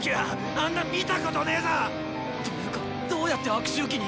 あんなん見たことねえぞ！というかどうやって悪周期に？